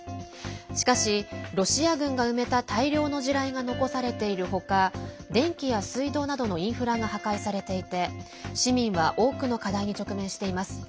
しかし、ロシア軍が埋めた大量の地雷が残されている他電気や水道などのインフラが破壊されていて市民は多くの課題に直面しています。